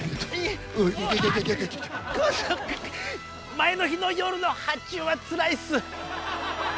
前の日の夜の発注はつらいっす。